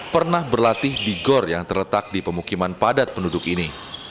pernah berlatih di gor yang terletak di pemukiman padat penduduk ini